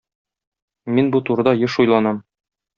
Мин бу турыда еш уйланам.